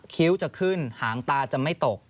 คิ้วจะขึ้นหางตาจะไม่ตก